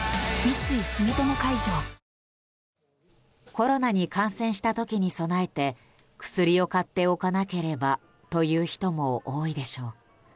コロナに感染した時に備えて薬を買っておかなければという人も多いでしょう。